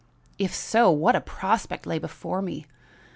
If so, what a prospect lay before me!